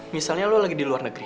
misalnya lo lagi di luar negeri